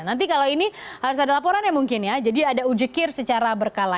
nanti kalau ini harus ada laporan ya mungkin ya jadi ada uji kir secara berkala